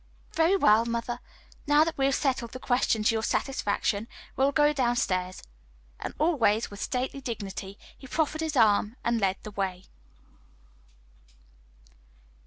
"Very well, mother; now that we have settled the question to your satisfaction, we will go down stairs;" and always with stately dignity, he proffered his arm and led the way.